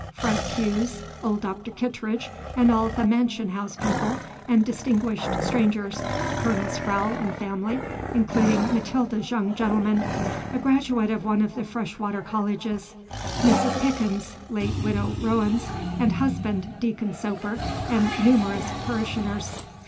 Front pews, old Dr. Kittredge and all the mansionhouse people and distinguished strangers, Colonel Sprowle and family, including Matilda's young gentleman, a graduate of one of the fresh water colleges, Mrs. Pickins (late Widow Rowens) and husband, Deacon Soper and numerous parishioners.